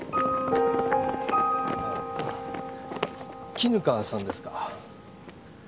絹香さんですか？